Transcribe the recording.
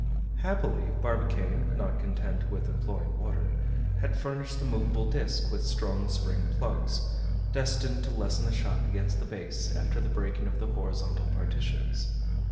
Happily, Barbicane, not content with employing water, had furnished the movable disc with strong spring plugs, destined to lessen the shock against the base after the breaking of the horizontal partitions.